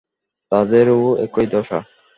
তাদেরও একই দশা।